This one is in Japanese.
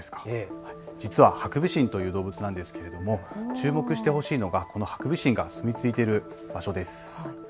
実はハクビシンという動物なんですけれども注目してほしいのがハクビシンが住みついている場所です。